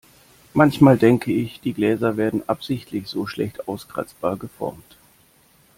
Manchmal denke ich, die Gläser werden absichtlich so schlecht auskratzbar geformt.